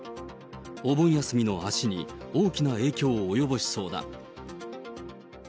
お盆休みの足に大きな影響を及ぼしそうだ。